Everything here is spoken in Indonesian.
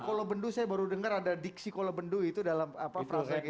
kolobendu saya baru dengar ada diksi kolobendu itu dalam proses ini